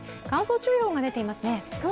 乾燥注意報が出ていますね。